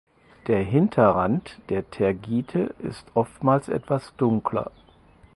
Der Hinterrand der Tergite ist oftmals etwas dunkler.